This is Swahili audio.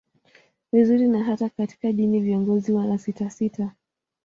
vizuri na hata katika dini viongozi wanasisitiza